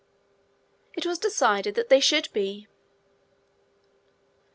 It was decided that they should be.